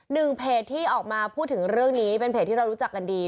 หนึ่งเพจที่ออกมาพูดถึงเรื่องนี้เป็นเพจที่เรารู้จักกันดี